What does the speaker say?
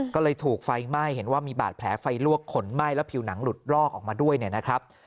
ก็เลยถูกไฟไหม้เห็นว่ามีบาดแผลไฟลวกขนไหม้แล้วผิวหนังหลุดรอกออกมาด้วยเนี่ยนะครับ